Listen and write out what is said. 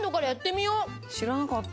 知らなかった。